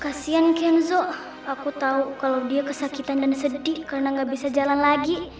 kasian kenzo aku tau kalo dia kesakitan dan sedih karena gak bisa jalan lagi